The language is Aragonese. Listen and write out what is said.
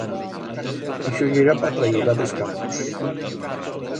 Ixo yera pa trayer-la d'es campos.